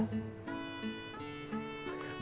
buat apa dia pasang behel